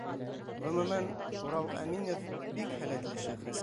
Ғөмүмән, Урал Әминев — бик һәләтле шәхес.